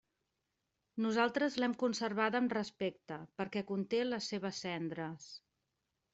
Nosaltres l'hem conservada amb respecte, perquè conté les seves cendres.